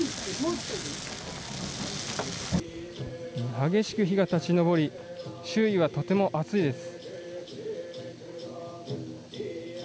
激しく火が立ち上り周囲はとても熱いです。